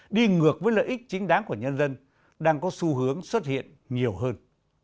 đi ngược với lợi ích chính đáng của nhân dân đang có xu hướng xuất hiện nhiều hơn